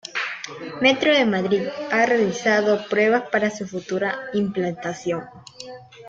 Metro de Madrid ha realizado pruebas para su futura implantación.